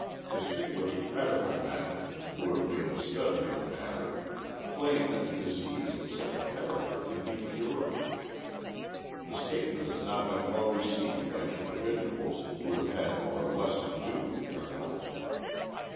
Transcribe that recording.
Distinguished medical men, who have made a study of the matter, claim that disease of such a character can be cured. The statement has not been well received by individuals, who have had more or less to do with criminals.